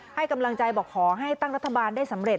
ให้กำลังใจบอกขอให้ตั้งรัฐบาลได้สำเร็จ